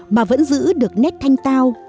mà vẫn giữ được nét thanh tao